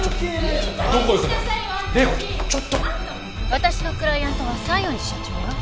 私のクライアントは西園寺社長よ。